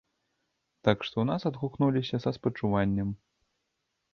Так што ў нас адгукнуліся са спачуваннем.